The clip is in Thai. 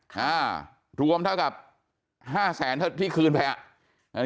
ทวมเท่ากับ๕๐๐๐๐๐บาทที่คืนแล้วล่ะ